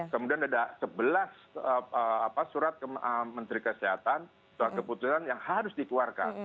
kemudian ada sebelas surat menteri kesehatan soal keputusan yang harus dikeluarkan